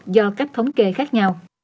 do các thống kê khác nhau